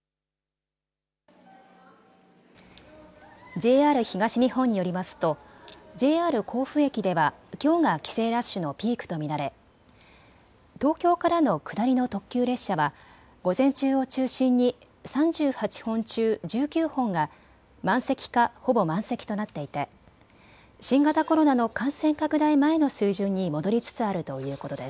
ＪＲ東日本によりますとＪＲ甲府駅ではきょうが帰省ラッシュのピークと見られ東京からの下りの特急列車は午前中を中心に３８本中１９本が満席かほぼ満席となっていて新型コロナの感染拡大前の水準に戻りつつあるということです。